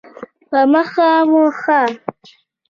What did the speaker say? په مخه مو ښه.